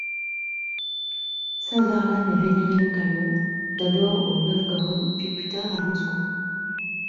Saint Varlaam est vénéré localement, d'abord au à Novgorod, puis plus tard à Moscou.